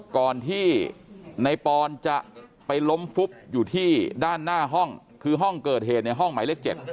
ก่อนที่ในปอนจะไปล้มฟุบอยู่ที่ด้านหน้าห้องคือห้องเกิดเหตุในห้องหมายเลข๗